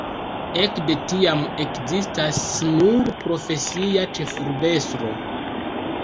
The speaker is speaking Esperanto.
Ekde tiam ekzistas nur profesia ĉefurbestro.